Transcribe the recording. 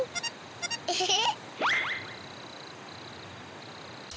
エヘヘ！